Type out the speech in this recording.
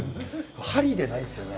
針でないですよね。